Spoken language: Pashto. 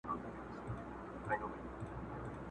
دې ساحل باندي څرک نسته د بيړیو،